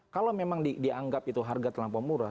kalau memang dianggap itu harga terlampau murah